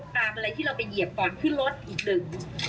อะไรที่เราไปเหยียบก่อนขึ้นรถอีกหนึ่ง